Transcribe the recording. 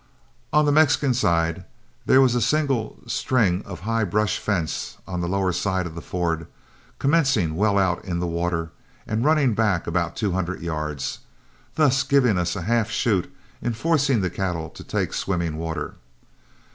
On the Mexican side there was a single string of high brush fence on the lower side of the ford, commencing well out in the water and running back about two hundred yards, thus giving us a half chute in forcing the cattle to take swimming water.